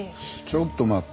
ちょっと待って。